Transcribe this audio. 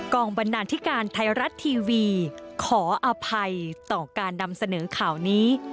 กล่องบันดาลที่การไทรัตร์ทีวีขออภัยต่อการนำเสนอข่าวนี้